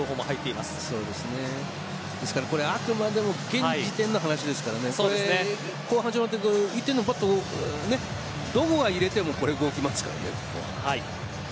ですからこれあくまでも現時点の話ですから後半始まって１点がどこが入れても動きますから。